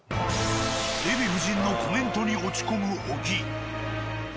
デヴィ夫人のコメントに落ち込む小木。